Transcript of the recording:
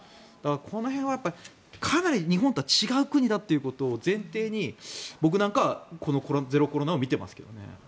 この辺はかなり日本とは違う国だということを前提に僕なんかはゼロコロナを見てますけどね。